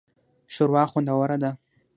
شوروا خوندوره ده